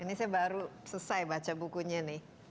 ini saya baru selesai baca bukunya nih